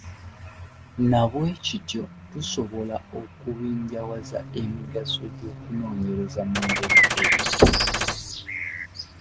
Na bwe kityo tusobola okubinjawaza emigaso gy’okunoonyereza mu ngeri eno: